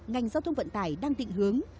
ngành giao thông vận tải đang tịnh hướng